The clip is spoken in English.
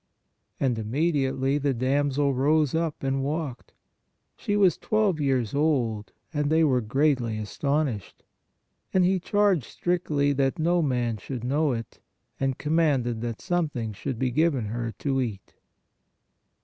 And immediately the damsel rose up and walked; she was twelve years old; and they were greatly astonished. And He charged strictly that no man should know it; and com manded that something should be given her to eat."